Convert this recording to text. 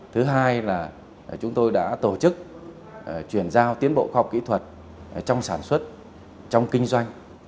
thứ hai là chúng tôi đã tổ chức chuyển giao tiến bộ khoa học kỹ thuật trong sản xuất trong kinh doanh